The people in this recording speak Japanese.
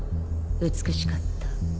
美しかった